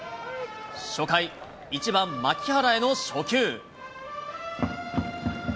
初回、１番牧原への初球。